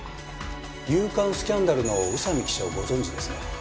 『夕刊スキャンダル』の宇佐美記者をご存じですね？